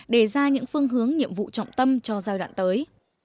để ra những phương hướng nhiệm vụ trọng tâm cho giai đoạn tới